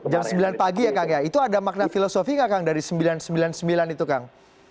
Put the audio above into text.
jam sembilan pagi ya kang ya itu ada makna filosofi nggak kang dari sembilan ratus sembilan puluh sembilan itu kang